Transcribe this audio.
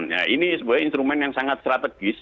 ya ini sebuah instrumen yang sangat strategis